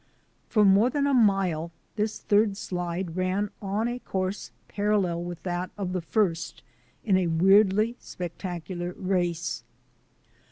For more than a mile this third slide ran on a course parallel with that of the first in a weirdly spectacular race.